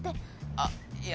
あっいや